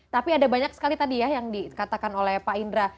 tapi ada banyak sekali tadi ya yang dikatakan oleh pak indra